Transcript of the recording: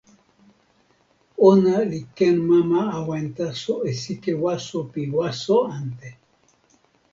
ona li ken mama awen taso e sike waso pi waso ante.